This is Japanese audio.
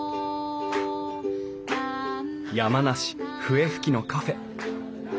山梨・笛吹のカフェ。